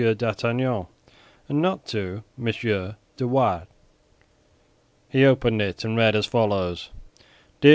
d'Artagnan, and not to M. de Wardes. He opened it and read as follows: DEAR M.